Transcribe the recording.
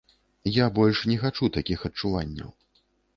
Я больш не хачу такіх адчуванняў.